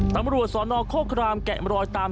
สวัสดีครับ